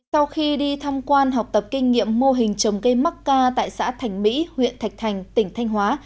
sau khi đi tham quan học tập kinh nghiệm mô hình trồng cây mắc ca tại xã thành mỹ huyện thạch thành tỉnh thanh hóa